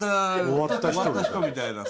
終わった人みたいなさ。